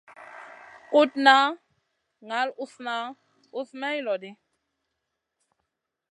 Kuɗ ka ŋal usna usna may lodi.